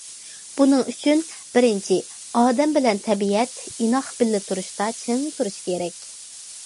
بۇنىڭ ئۈچۈن، بىرىنچى، ئادەم بىلەن تەبىئەت ئىناق بىللە تۇرۇشتا چىڭ تۇرۇش كېرەك.